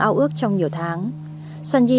ao ước trong nhiều tháng soanyi